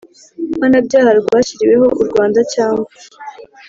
Mpanabyaha Rwashyiriweho U Rwanda Cyangwa